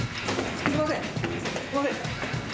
すみません。